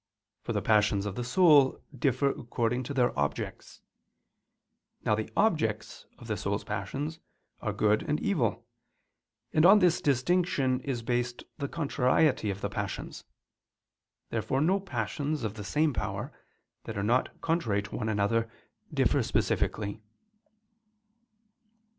For the passions of the soul differ according to their objects. Now the objects of the soul's passions are good and evil; and on this distinction is based the contrariety of the passions. Therefore no passions of the same power, that are not contrary to one another, differ specifically.